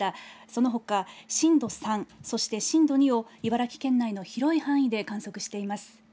そのほか、震度３、そして震度２を茨城県内の広い範囲で観測しています。